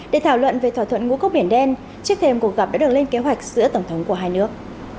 để thảo luận về thỏa thuận ngũ cốc biển đen trước thêm cuộc gặp đã được lên kế hoạch giữa tổng thống của hai nước